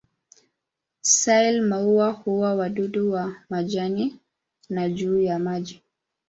Sile-maua hula wadudu kwa majani na juu ya maji.